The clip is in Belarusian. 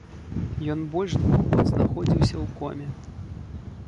Ён больш двух год знаходзіўся ў коме.